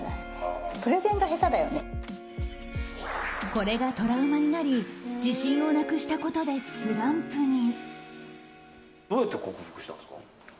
これがトラウマになり自信をなくしたことでスランプに。